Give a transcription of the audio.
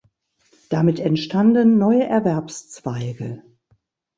Damit entstanden neue Erwerbszweige.